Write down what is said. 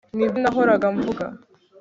nibyo nahoraga mvuga